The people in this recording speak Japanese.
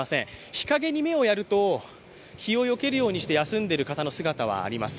日陰に目をやると、日をよけるようにして休んでいる人の姿はあります。